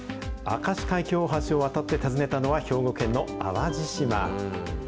明石海峡大橋を渡って訪ねたのは兵庫県の淡路島。